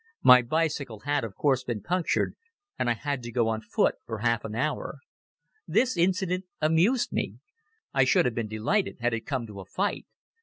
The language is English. My bicycle had, of course, been punctured and I had to go on foot for half an hour. This incident amused me. I should have been delighted had it come to a fight.